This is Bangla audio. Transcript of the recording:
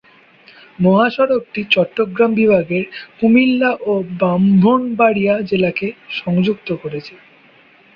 মহাসড়কটি চট্টগ্রাম বিভাগের কুমিল্লা ও ব্রাহ্মণবাড়িয়া জেলাকে সংযুক্ত করেছে।